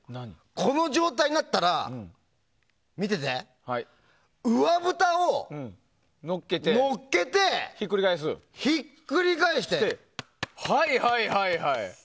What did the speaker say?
この状態になったら見てて、上ぶたをのっけてひっくり返して。